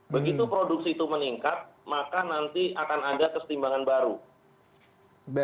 begitu produksi itu meningkat maka nanti akan ada kesetimbangan baru